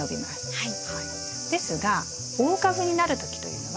はい。